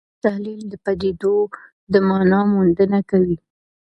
ټولنیز تحلیل د پدیدو د مانا موندنه کوي.